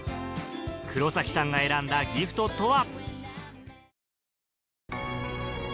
黒崎さんが選んだギフトとは？